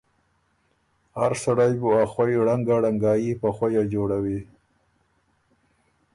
هر سړئ بُو ا خوئ ړنګه ړنګايي په خؤیه جوړوی۔